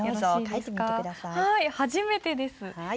初めてです。